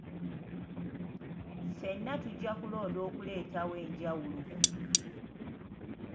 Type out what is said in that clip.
Ffenna tujja kulonda okuleetawo enjawulo.